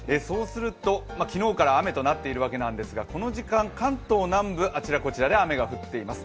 昨日から雨となっているわけなんですがこの時間、関東南部、あちらこちらで雨が降っています。